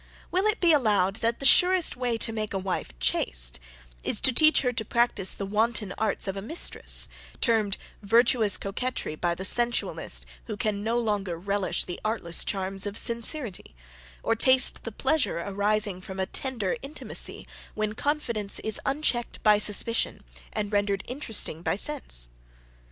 Will it be allowed that the surest way to make a wife chaste, is to teach her to practise the wanton arts of a mistress, termed virtuous coquetry by the sensualist who can no longer relish the artless charms of sincerity, or taste the pleasure arising from a tender intimacy, when confidence is unchecked by suspicion, and rendered interesting by sense?